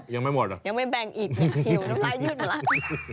ยังไม่หมดยังไม่แบ่งอีกหิวน้องพลอยยืดมาแล้ว